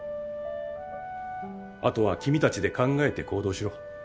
あとは君たちで考えて行動しろ。